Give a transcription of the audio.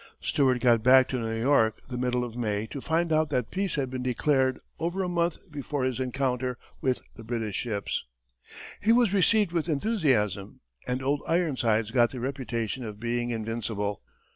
Stewart got back to New York the middle of May to find out that peace had been declared over a month before his encounter with the British ships. He was received with enthusiasm, and "Old Ironsides" got the reputation of being invincible.